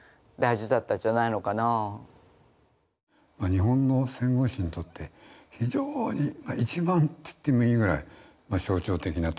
日本の戦後史にとって非常に一番っつってもいいぐらい象徴的な年だったと思うんですね。